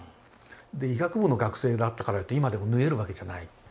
医学部の学生だったからといっても今でも縫えるわけじゃない。